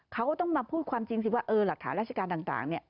เขาก็ต้องมาพูดความจริงสิว่าหลักฐานราชการต่าง